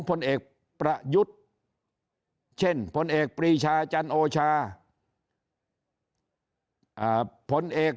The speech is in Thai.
ผลเอกประยุทธ์เช่นพลเอกปรีชาจันโอชาพลเอก